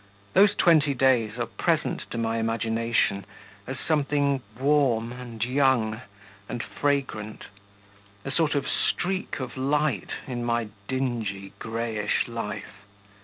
Those twenty days are present to my imagination as something warm, and young, and fragrant, a sort of streak of light in my dingy, greyish life.